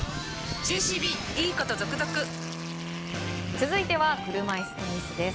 続いては車いすテニスです。